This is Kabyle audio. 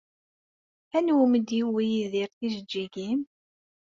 Anwa umi d-yewwi Yidir tijeǧǧigin?